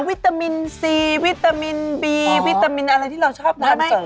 วิตามินซีวิตามินบีวิตามินอะไรที่เราชอบทาน